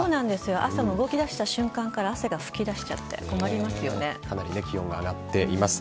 朝、動き出した瞬間から汗が噴き出しちゃってかなり気温が上がっています。